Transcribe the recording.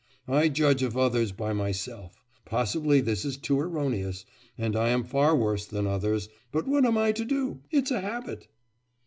I judge of others by myself. Possibly this too is erroneous, and I am far worse than others, but what am I to do? it's a habit!